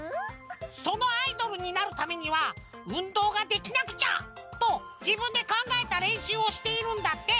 そのアイドルになるためにはうんどうができなくちゃ！とじぶんでかんがえたれんしゅうをしているんだって。